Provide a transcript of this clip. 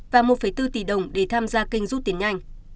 và một bốn tỷ đồng để tham gia kênh rút tiền nhanh